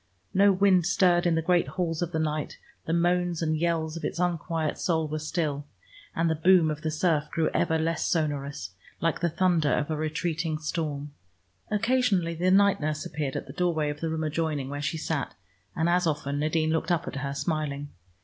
No wind stirred in the great halls of the night, the moans and yells of its unquiet soul were still, and the boom of the surf grew ever less sonorous, like the thunder of a retreating storm. Occasionally the night nurse appeared at the doorway of the room adjoining, where she sat, and as often Nadine looked up at her smiling.